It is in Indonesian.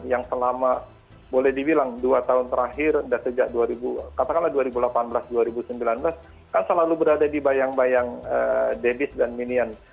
yang selama boleh dibilang dua tahun terakhir dan sejak katakanlah dua ribu delapan belas dua ribu sembilan belas kan selalu berada di bayang bayang dabis dan minion